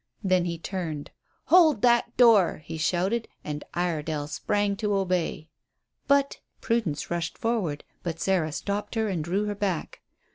Then he turned "Hold that door!" he shouted; and Iredale sprang to obey. "But " Prudence rushed forward, but Sarah stopped her and drew her back.